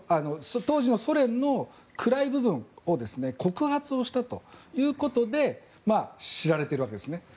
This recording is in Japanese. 当時のソ連の暗い部分を告発をしたということで知られているわけですね。